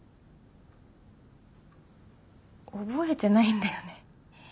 覚えてないんだよね。